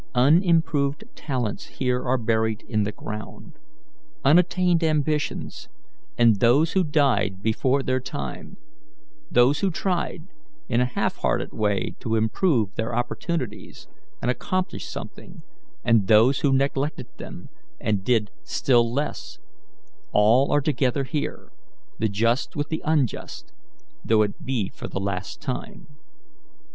Unimproved talents here are buried in the ground. Unattained ambitions, and those who died before their time; those who tried, in a half hearted way, to improve their opportunities, and accomplished something, and those who neglected them, and did still less all are together here, the just with the unjust, though it be for the last time.